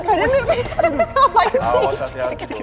kak den ini apaan sih